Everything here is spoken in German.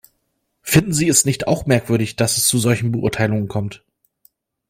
Finden Sie es nicht auch merkwürdig, dass es zu solchen Beurteilungen kommt?